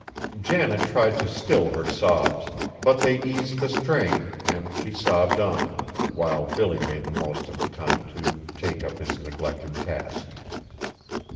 Janet tried to still her sobs, but they eased the strain and she sobbed on, while Billy made the most of the time to take up his neglected task.